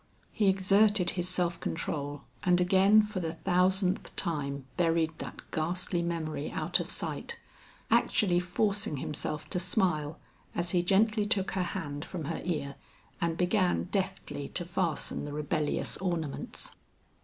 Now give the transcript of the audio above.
He exerted his self control and again for the thousandth time buried that ghastly memory out of sight, actually forcing himself to smile as he gently took her hand from her ear and began deftly to fasten the rebellious ornaments.